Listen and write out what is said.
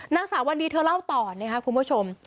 นักศึกษาวันนี้เธอเล่าต่อนะครับคุณผู้ชม